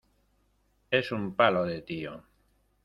Es un palo de tío.